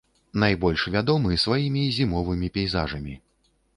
Найбольш вядомы сваімі зімовымі пейзажамі.